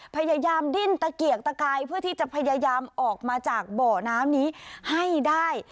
พยายามดิ้นตะเกียกตะกายเพื่อที่จะพยายามออกมาจากเบาะน้ำนี้ให้ได้